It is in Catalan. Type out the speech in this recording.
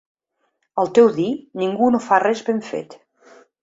Al teu dir, ningú no fa res ben fet.